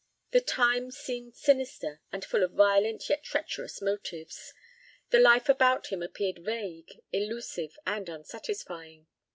The times seemed sinister, and full of violent yet treacherous motives. The life about him appeared vague, elusive, and unsatisfying.